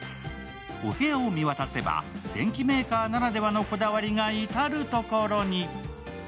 お部屋を見渡せば、電気メーカーならではのこだわりが至る所に。